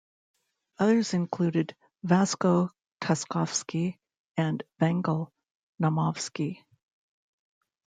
Others include: Vasko Taskovski and Vangel Naumovski.